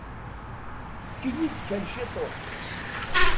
Efk-iyi-d kan ciṭuḥ.